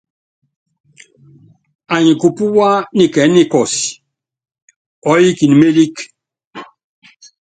Anyi kupúwá nikɛɛ́ nikɔ́si, ɔɔ́yikini mélíkí.